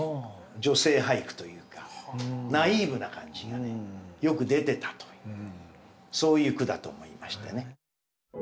女性俳句というかナイーブな感じがよく出てたというそういう句だと思いましたね。